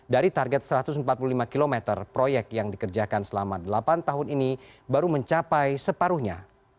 dari target satu ratus empat puluh lima km proyek yang dikerjakan selama delapan tahun ini baru mencapai separuhnya